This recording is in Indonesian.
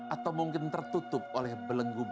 atau mungkin tertutup oleh belenggu